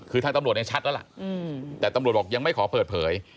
คือทางตำรวจเนี่ยชัดแล้วล่ะแต่ตำรวจบอกยังไม่ขอเปิดเผย